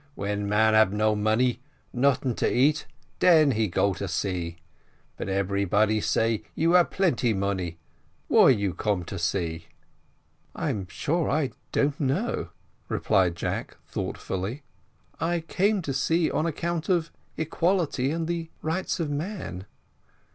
When man ab no money, noting to eat, den he go to sea, but everybody say you ab plenty money why you come to sea?" "I'm sure I don't know," replied Jack thoughtfully; "I came to sea on account of equality and the rights of man."